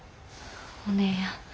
お姉やん